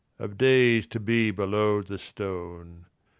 _ Of days to be below the stone."